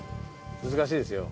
難しいですよ。